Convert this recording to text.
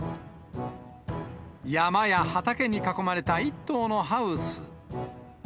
山や畑に囲まれた一棟のハウス。